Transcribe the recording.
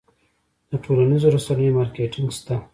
د ټولنیزو رسنیو مارکیټینګ شته؟